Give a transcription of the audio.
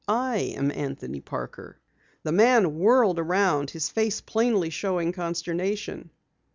I am Anthony Parker." The man whirled around, his face plainly showing consternation.